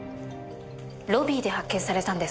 ロビーで発見されたんですか？